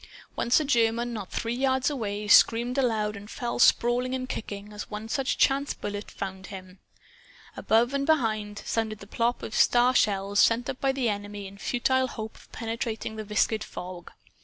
Once a German, not three yards away, screamed aloud and fell sprawling and kicking, as one such chance bullet found him. Above and behind, sounded the plop of star shells sent up by the enemy in futile hope of penetrating the viscid fog.